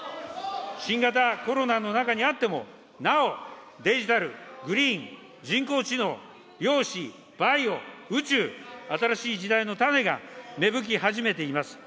新型コロナの中にあっても、なおデジタル、グリーン、人工知能、量子、バイオ、宇宙、新しい時代の種が芽吹き始めています。